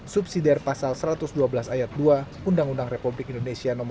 subsidi pasal satu ratus dua belas ayat dua undang undang republik indonesia no tiga puluh lima